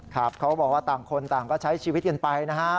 ครับเขาบอกว่าต่างคนต่างก็ใช้ชีวิตกันไปนะฮะ